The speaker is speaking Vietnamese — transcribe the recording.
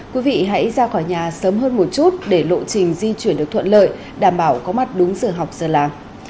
quý vị hãy ra khỏi nhà sớm hơn một chút để lộ trình di chuyển được thuận lợi đảm bảo có mặt đúng sửa học sửa làng